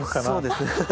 そうですね。